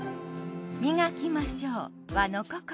磨きましょう和の心。